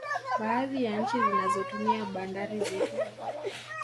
Baadhi ya nchi zinazotumia bandari zetu